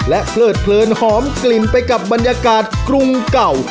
เพลิดเพลินหอมกลิ่นไปกับบรรยากาศกรุงเก่า